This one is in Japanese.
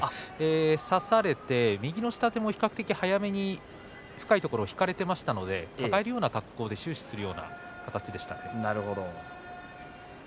差されて右の下手を早めに深いところに引き引かれていましたので抱えるような格好で注視するような形でした。